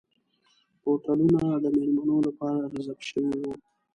هوټلونه د میلمنو لپاره ریزرف شوي وو.